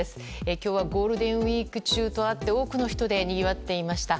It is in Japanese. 今日はゴールデンウィーク中とあって多くの人でにぎわっていました。